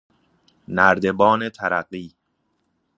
نردبان ترقی